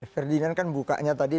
ferdinand kan bukanya tadi